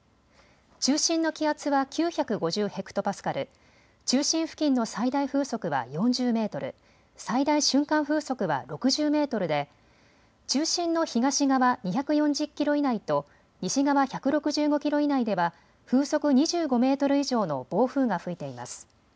中心の気圧は９５０ヘクトパスカル、中心付近の最大風速は４０メートル、最大瞬間風速は６０メートルで中心の東側２４０キロ以内と西側１６５キロ以内では風速２５メートル以上の暴風が吹いています。